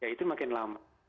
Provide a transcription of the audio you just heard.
ya itu makin lama